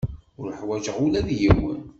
Ur ḥwajeɣ ula d yiwen.